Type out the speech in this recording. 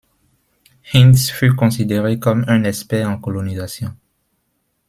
Hinds fut considéré comme un expert en colonisation.